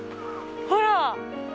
ほら！